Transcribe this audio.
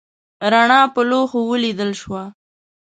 رڼا په لوښو ولیدل شوه.